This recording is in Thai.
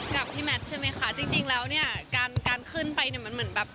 กับพี่แมทใช่ไหมคะจริงแล้วเนี่ยการการขึ้นไปเนี่ยมันเหมือนแบบ